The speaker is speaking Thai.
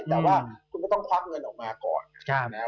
แต่ว่าคุณก็ต้องควักเงินออกมาก่อนนะครับ